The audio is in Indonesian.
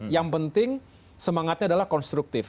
yang penting semangatnya adalah konstruktif